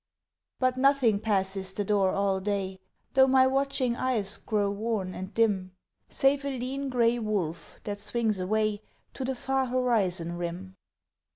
But nothing passes the door all day, Though my watching eyes grow worn and dim, Save a lean, grey wolf that swings away To the far horizon rim.